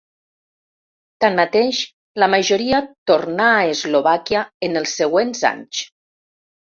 Tanmateix la majoria tornar a Eslovàquia en els següents anys.